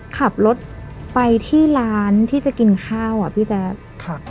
ขับรถไปที่ร้านที่จะกินข้าวอ่ะพี่แจ๊ค